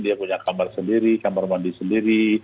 dia punya kamar sendiri kamar mandi sendiri